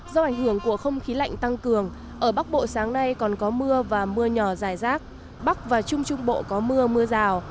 do ảnh hưởng của không khí lạnh tăng cường ở bắc bộ sáng nay còn có mưa và mưa nhỏ dài rác bắc và trung trung bộ có mưa mưa rào